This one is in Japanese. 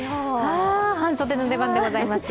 半袖の出番でございます。